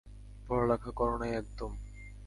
পড়ালেখা করো নাই একদম?